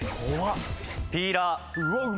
ピーラー。